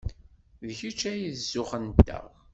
D kečč ay d zzux-nteɣ.